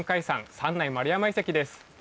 三内丸山遺跡です。